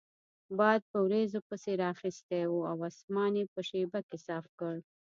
باد په وریځو پسې رااخیستی وو او اسمان یې په شیبه کې صاف کړ.